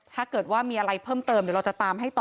ถ้าเกิดว่ามีอะไรเพิ่มเติมเดี๋ยวเราจะตามให้ต่อ